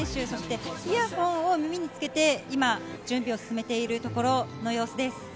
そして、イヤホンを耳につけて、今準備を進めているところの様子です。